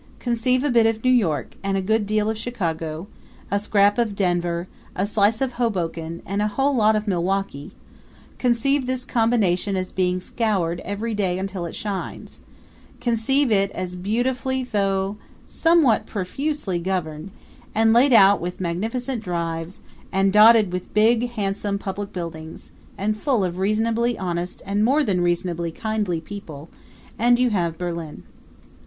Conceive a bit of New York, a good deal of Chicago, a scrap of Denver, a slice of Hoboken, and a whole lot of Milwaukee; conceive this combination as being scoured every day until it shines; conceive it as beautifully though somewhat profusely governed, and laid out with magnificent drives, and dotted with big, handsome public buildings, and full of reasonably honest and more than reasonably kindly people and you have Berlin.